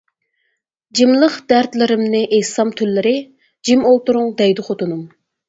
جىملىق دەردلىرىمنى ئېيتسام تۈنلىرى، -جىم ئولتۇرۇڭ دەيدۇ خوتۇنۇم.